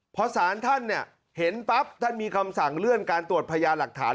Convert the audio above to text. พอสารท่านเห็นปั๊บท่านมีคำสั่งเลื่อนการตรวจพยานหลักฐาน